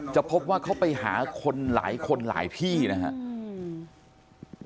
จะพบว่าเขาไปหาคนหลายพี่นะครับ